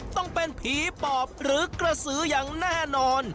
ต้องเป็นผีปอบหรือกระสืออย่างแน่นอน